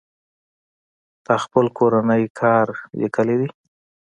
تا خپل کورنۍ کار ليکلى دئ.